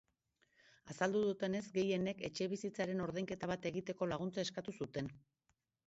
Azaldu dutenez, gehienek etxebizitzaren ordainketa bat egiteko laguntza eskatu zuten.